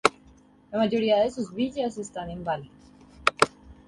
La mayoría de sus villas están en Bali.